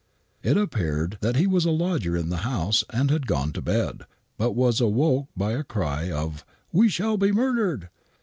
It appeared that he was a lodger in the house, and had gone to bed, but was awoke by a cry of " We shall be murdered